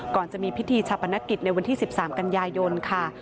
จะมีพิธีชาปนกิจในวันที่๑๓กันยายนค่ะ